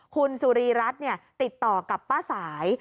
คุณสุรีรัฐติดต่อกับป้าสาย